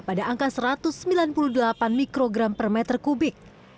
kota jakarta berada pada angka satu ratus sembilan puluh delapan mikrogram per meter kubik